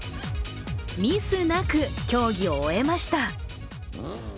ミスなく競技を終えました。